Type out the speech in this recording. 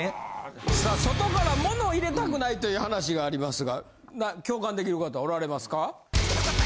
さあ外から物を入れたくないという話がありますが共感できる方おられますか？